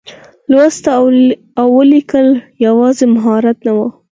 لوستل او لیکل یوازې مهارت نه و.